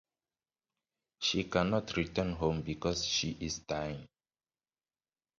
She cannot return home because she is dying.